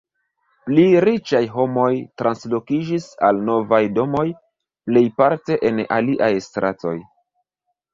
Pli riĉaj homoj translokiĝis al novaj domoj, plejparte en aliaj stratoj.